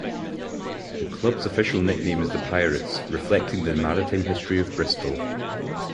The club's official nickname is "The Pirates", reflecting the maritime history of Bristol.